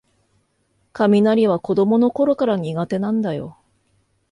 雷は子どものころから苦手なんだよ